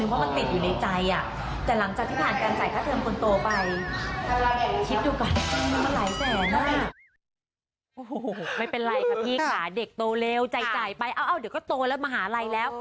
วาชงพุ่งจะตอบเสมอว่าอยากมีลูกสาว